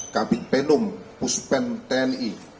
kabin penum puspen tni